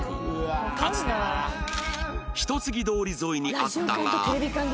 かつては一ツ木通り沿いにあったが